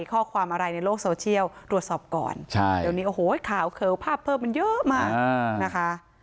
ข้อความอะไรในโลกโซเชียลตรวจสอบก่อนใช่เดี๋ยวนี้โอ้โหข่าวเขิวภาพเพิ่มมันเยอะมากนะคะ